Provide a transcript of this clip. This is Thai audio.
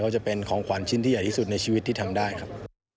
ก็จะเป็นของขวัญชิ้นที่ใหญ่ที่สุดในชีวิตที่ทำได้ครับ